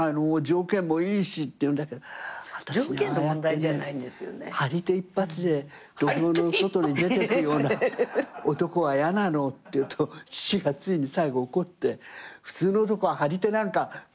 「条件もいいし」って言うんだけど「私ああやってね張り手一発で土俵の外に出ていくような男は嫌なの」って言うと父がついに最後怒って「普通の男は張り手なんか食らわないんだ」